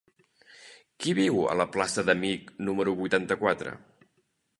Qui viu a la plaça d'Amich número vuitanta-quatre?